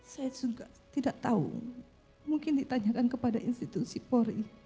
saya juga tidak tahu mungkin ditanyakan kepada institusi polri